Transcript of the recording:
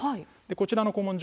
こちらの古文書